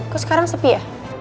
kok sekarang sepi ya